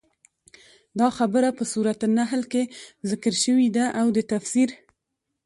دا خبره په سورت نحل کي ذکر شوي ده، او د تفسير